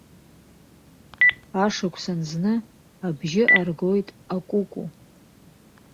Ашықәсан зны абжьы аргоит акәукәу.